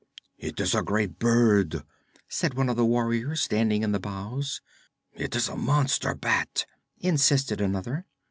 'It is a great bird,' said one of the warriors, standing in the bows. 'It is a monster bat,' insisted another.